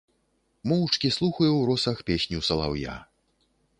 Моўчкі слухаю ў росах песню салаўя.